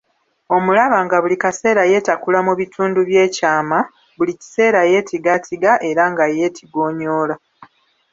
Omulaba nga buli kaseera yeetakula mu bitundu by'ekyama, buli kiseera yeetigaatiga era nga yeetigonyoola.